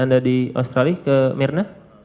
anda di australia ke mirna